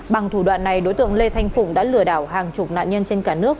bằng thủ đoạn này đối tượng lê thanh phụng đã lừa đảo hàng chục nạn nhân trên cả nước